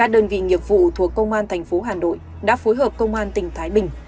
các đơn vị nghiệp vụ thuộc công an thành phố hà nội đã phối hợp công an tỉnh thái bình